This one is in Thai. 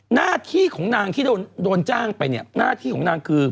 หน้าที่ของนางที่โดนจ้างไปเนี่ยหน้าที่ของนางคือ